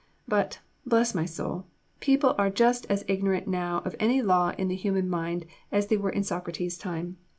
But, bless my soul, people are just as ignorant now of any law in the human mind as they were in Socrates' time.